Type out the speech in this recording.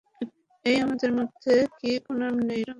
এই আমাদের মধ্যে কী পুনাম নেই, রামা?